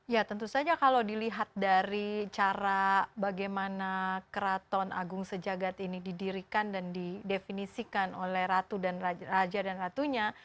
ya tentu saja kalau dilihat dari cara bagaimana keraton agung sejagat ini didirikan dan didefinisikan oleh raja dan ratunya